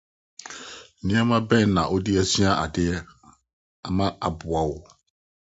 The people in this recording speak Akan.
Nneɛma bɛn na wode asua ade ama aboa wo?